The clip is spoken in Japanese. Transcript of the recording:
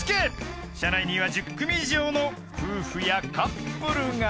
［社内には１０組以上の夫婦やカップルが］